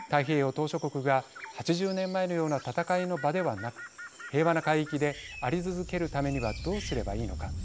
島しょ国が８０年前のような戦いの場ではなく平和な海域であり続けるためにはどうすればいいのか。